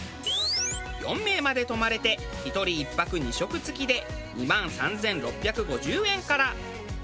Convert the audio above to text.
４名まで泊まれて１人１泊２食付きで２万３６５０円から。